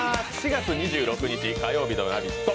４月２６日火曜日の「ラヴィット！」